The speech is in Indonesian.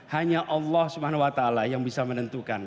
hanya allah swt yang bisa menentukan